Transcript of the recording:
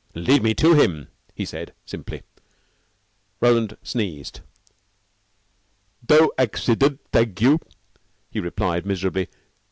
"Lead me to him," he said simply. Roland sneezed. "Doe accident, thag you," he replied miserably.